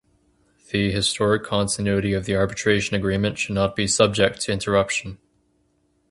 The historic continuity of the arbitration agreement should not be subject to interruption.